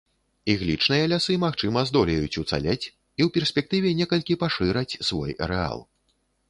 Іглічныя лясы, магчыма, здолеюць уцалець і ў перспектыве некалькі пашыраць свой арэал.